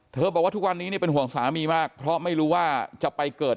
บอกว่าทุกวันนี้เป็นห่วงสามีมากเพราะไม่รู้ว่าจะไปเกิด